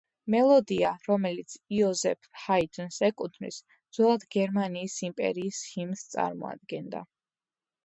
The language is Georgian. მელოდია, რომელიც იოზეფ ჰაიდნს ეკუთვნის, ძველად გერმანიის იმპერიის ჰიმნს წარმოადგენდა.